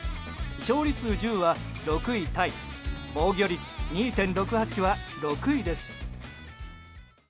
勝利数１０は６位タイ防御率２．６８は６位です。